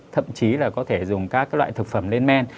thậm chí là có thể dùng các loại thực phẩm lên men